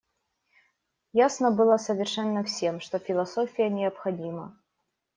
Ясно было совершенно всем, что философия необходима.